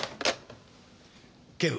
警部。